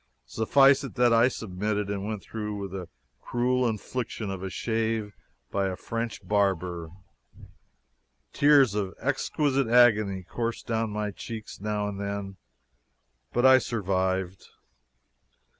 Suffice it that I submitted and went through with the cruel infliction of a shave by a French barber; tears of exquisite agony coursed down my cheeks now and then, but I survived.